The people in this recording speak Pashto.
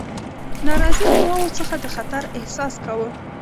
ناراضي قواوو څخه د خطر احساس کاوه.